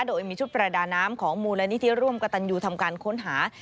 โดยมีชุดประดาน้ำของมูลนิธิร่วมกระตันยูทำการค้นหา